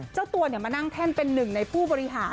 เจ้าตัวมานั่งแท่นเป็นหนึ่งในผู้บริหาร